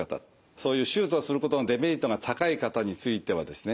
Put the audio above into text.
そういう手術をすることのデメリットが高い方についてはですね